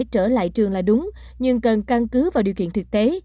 trở lại trường là đúng nhưng cần căn cứ vào điều kiện thực tế